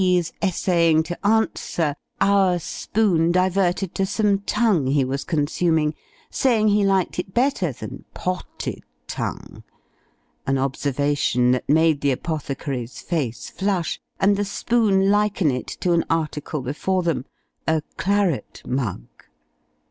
's essaying to answer, our "Spoon" diverted to some tongue he was consuming, saying he liked it better than _Pott_ed tongue an observation that made the apothecary's face flush, and the "Spoon" liken it to an article before them, a claret mug.